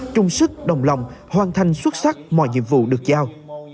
trung sức đồng lòng hoàn thành xuất sắc mọi nhiệm vụ được giao